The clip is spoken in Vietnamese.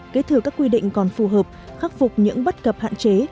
kế thừa các quy định còn phù hợp khắc phục những bất cập hạn chế